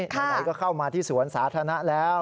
ไหนก็เข้ามาที่สวนสาธารณะแล้ว